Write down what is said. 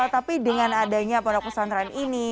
tapi dengan adanya pondok pesantren ini